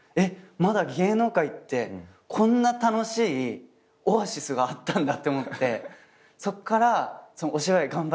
まだ芸能界ってこんな楽しいオアシスがあったんだって思ってそっからお芝居頑張りたい！っていうのは。